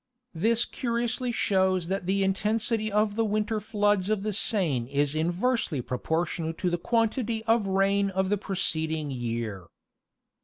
This curiously shows that the intensity of the winter floods of the Seine is inversely propor tional to the quantity of rain of the preceding year.